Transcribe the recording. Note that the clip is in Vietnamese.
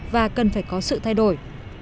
và cần phải có sự thay đổi